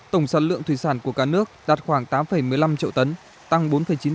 tổng sản lượng thủy sản của cả nước đạt khoảng tám một mươi năm triệu tấn tăng bốn chín